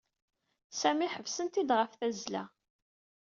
Sami ḥebsen-t-id ɣef tazzla.